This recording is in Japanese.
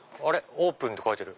オープンって書いてる。